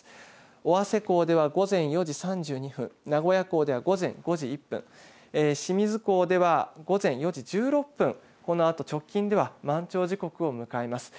尾鷲港では午前４時３２分、名古屋港では午前５時１分、清水港では午前４時１６分の、このあと直近では満潮時刻を迎えます。